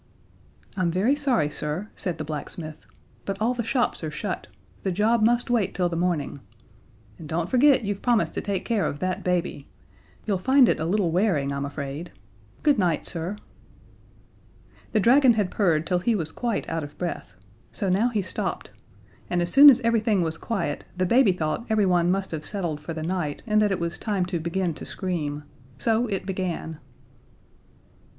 "I'm very sorry, sir," said the blacksmith, "but all the shops are shut. The job must wait till the morning. And don't forget you've promised to take care of that baby. You'll find it a little wearing, I'm afraid. Good night, sir." The dragon had purred till he was quite out of breath so now he stopped, and as soon as everything was quiet the baby thought everyone must have settled for the night, and that it was time to begin to scream. So it began.